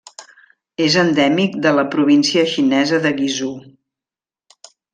És endèmic de la província xinesa de Guizhou.